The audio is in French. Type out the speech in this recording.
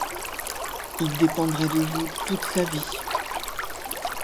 Il dépendra de vous toute sa vie.